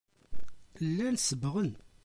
Llan sebbɣen.